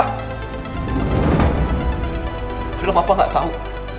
karena papa gak tahu